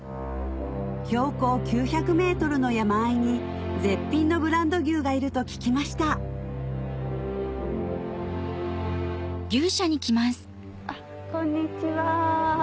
標高９００ｍの山あいに絶品のブランド牛がいると聞きましたこんにちは。